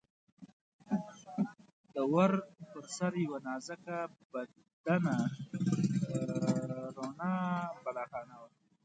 د ور پر سر یوه نازک بدنه رڼه بالاخانه وه.